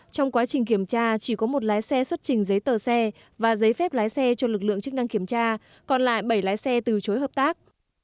trong quá trình kiểm tra chỉ có một lái xe xuất trình giấy tờ xe và giấy phép lái xe cho lực lượng chức năng kiểm tra còn lại bảy lái xe từ chối hợp tác